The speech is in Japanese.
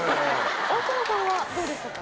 大久保さんはどうでしたか？